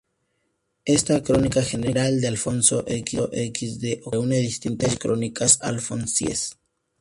Esta "Crónica general de Alfonso X" de Ocampo reúne distintas crónicas alfonsíes.